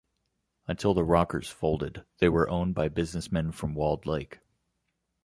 Until the Rockers folded, they were owned by businessmen from Walled Lake.